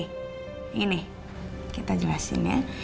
yang gini kita jelasin ya